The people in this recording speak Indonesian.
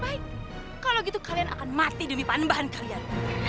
baik kalau gitu kalian akan mati demi pambahan kalian